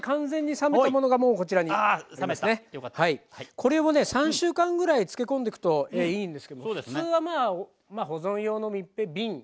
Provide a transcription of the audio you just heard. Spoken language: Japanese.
これをね３週間ぐらい漬け込んでくといいんですけども普通はまあ保存用の密閉瓶。